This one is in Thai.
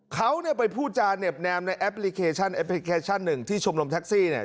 เขาเนี่ยไปพูดจาเหน็บแนมในแอปพลิเคชันแอปพลิเคชันหนึ่งที่ชมรมแท็กซี่เนี่ย